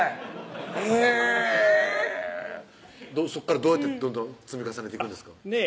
へぇそこからどうやってどんどん積み重ねていくんですか？